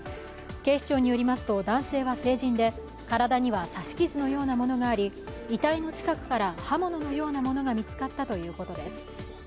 警視庁によりますと、男性は成人で体には刺し傷のようなものがあり遺体の近くから刃物のようなものが見つかったということです。